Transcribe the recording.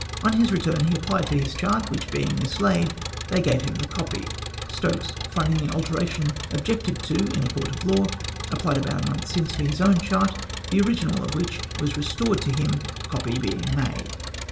"On his return he applied for his chart, which being mislaid they gave him the co])y. " Stokes, finding the alteration objected to in a court of law, applied about a month since for his own chart, the original of which was restored to him, copy being made."